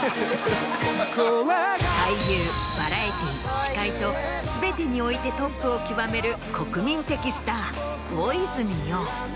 俳優バラエティー司会と全てにおいてトップを極める国民的スター。